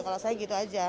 kalau saya gitu aja